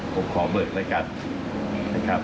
ผมขอเบิกละกัดครับ